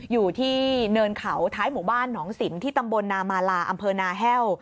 อยู่ที่เนินเขาท้ายหมู่บ้านหนองสินที่ตำบลนามาลาอำเภอนาแห้ว